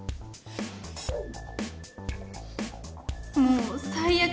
もう最悪！